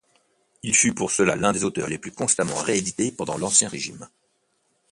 Il fut pour cela l’un des auteurs les plus constamment réédités pendant l’Ancien Régime.